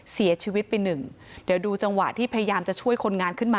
เสียชีวิตไปหนึ่งเดี๋ยวดูจังหวะที่พยายามจะช่วยคนงานขึ้นมา